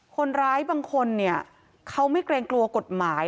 คนร้ายบางคนเนี่ยเขาไม่เกรงกลัวกฎหมาย